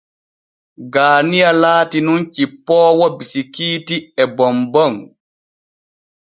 Gaaniya laati nun cippoowo bisikiiiti e bombom.